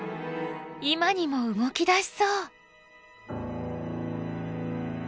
今にも動き出しそう。